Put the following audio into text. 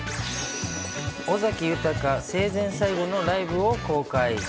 尾崎豊、生前最後のライブを公開。